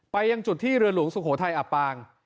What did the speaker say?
ยังจุดที่เรือหลวงสุโขทัยอับปาง